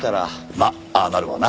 まあああなるわな。